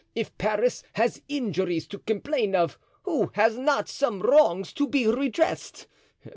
If Paris has injuries to complain of, who has not some wrongs to be redressed?